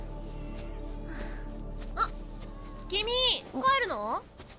あっ君帰るの？